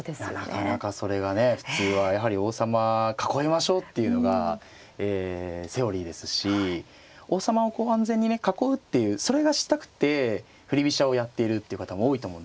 なかなかそれがね普通はやはり王様囲いましょうっていうのがえセオリーですし王様を安全にね囲うっていうそれがしたくて振り飛車をやっているっていう方も多いと思うんですよ。